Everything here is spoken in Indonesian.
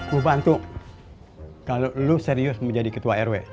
bapak lo mau jadi ketua rw